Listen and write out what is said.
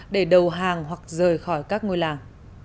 để đầu hàng hoặc rời khỏi các ngôi làng